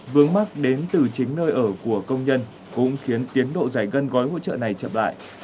vướng mắt đến từ chính nơi ở của công nhân cũng khiến tiến độ giải ngân gói hỗ trợ này chậm lại